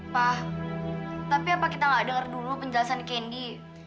pa tapi apa kita gak denger dulu penjelasan candy